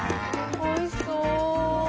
おいしそう。